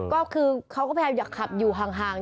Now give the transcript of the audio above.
ก็คือเขาก็แทบอยากขับอยู่ห่าง